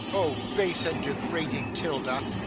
Oh! base and degrading 'Tilda!